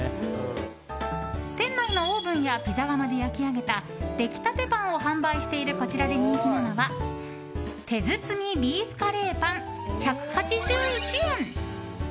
店内のオーブンやピザ窯で焼き上げた出来たてパンを販売しているこちらで人気なのは手包みビーフカレーパン１８１円。